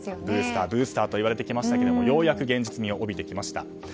ブースター、ブースターといわれてきましたがようやく現実味を帯びてきました。